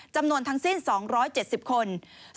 จำนวนทั้งสิ้น๒๗๐คน